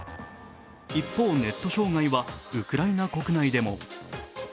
一方、ネット障害はウクライナ国内でも。